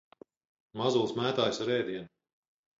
Mazulis mētājas ar ēdienu.